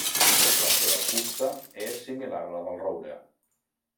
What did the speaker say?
La seva fusta és similar a la del roure.